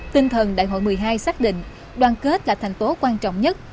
tinh thần đại hội một mươi hai xác định đoàn kết là thành tố quan trọng nhất